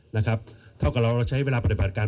นะครับเท่ากับเราเราใช้เวลาปฏิบัติการ